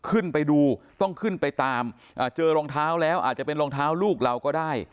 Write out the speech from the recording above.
ขึ้นไปดูต้องขึ้นไปตามเจอรองเท้าแล้วอาจจะเป็นรองเท้าลูกเราก็ได้